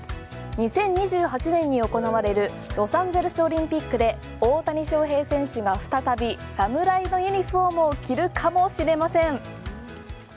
２０２８年に行われるロサンゼルスオリンピックで大谷翔平選手が再び侍のユニフォームを着るかもしれません。